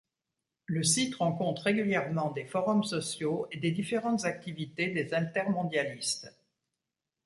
Le site rend compte régulièrement des forums sociaux et des différentes activités des altermondialistes.